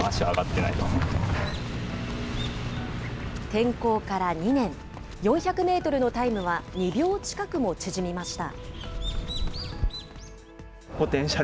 転向から２年、４００メートルのタイムは２秒近くも縮みました。